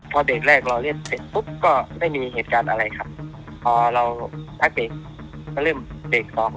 พอเบรกแรกเราเรียกเสร็จปุ๊บก็ไม่มีเหตุการณ์อะไรครับพอเราพักเบรกก็เริ่มเบรกออก